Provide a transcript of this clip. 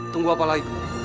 tunggu apa lagi